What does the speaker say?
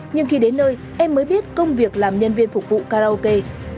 nhưng khi đến nơi em mới biết công việc làm nhân viên phục vụ karaoke